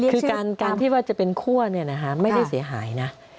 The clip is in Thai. คือการที่ว่าจะเป็นคั่วไม่ได้เสียหายนะ